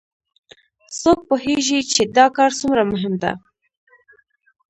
څوک پوهیږي چې دا کار څومره مهم ده